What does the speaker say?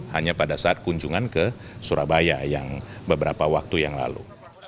hanya pada saat kunjungan ke surabaya yang beberapa waktu yang lalu